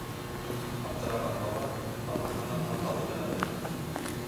Аптыраған бала атаһының һаҡалы менән уйнар.